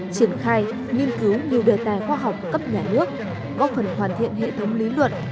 triển khai nghiên cứu nhiều đề tài khoa học cấp nhà nước góp phần hoàn thiện hệ thống lý luận